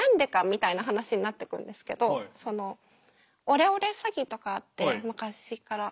みたいな話になってくるんですけどそのオレオレ詐欺とかって昔から。